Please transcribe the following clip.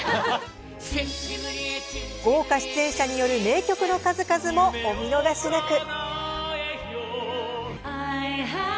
豪華出演者による名曲の数々もお見逃しなく。